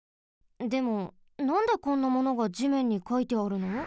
でもなんでこんなものが地面にかいてあるの？